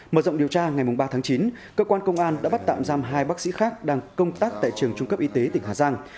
mở rộng điều tra ngày ba tháng chín cơ quan công an đã bắt tạm giam hai bác sĩ khác đang công tác tại trường trung cấp y tế tỉnh hà giang